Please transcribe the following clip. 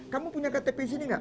kamu punya ktp sini nggak